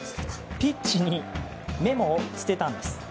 ピッチにメモを捨てたんです。